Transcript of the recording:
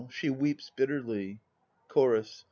(She weeps bitterly.) CHORUS.